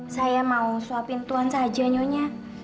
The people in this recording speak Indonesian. saya mau suapin tuhan saja nyonya